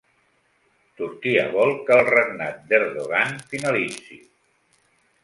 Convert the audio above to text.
Turquia vol que el regnat d'Erdogan finalitzi